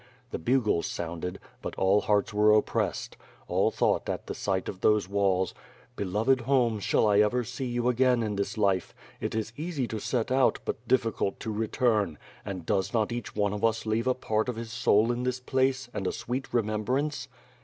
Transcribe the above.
The bugles sounded, but all hearts were oppressed; all thought at the sight of those walls, "Beloved home shall I ever see you again in this life? It is easy to set out, but difficult to return; and does not each one of us leave a part of his soul in this place, and a sweet remembrance?"